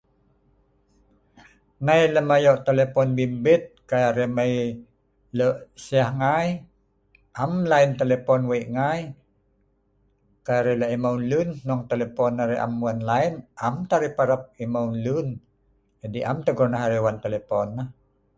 Nai lem ayo telepon bimbit, kai arai mai loe seeh ngai, am lain telepon wei ngai. Kai arai la’ emeu luen, nnuong telefon arai am wan lain, am tah arai parap emeu nah luen. Adi’ am tah gunah arai wan telefon nah